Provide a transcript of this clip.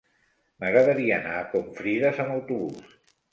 M'agradaria anar a Confrides amb autobús.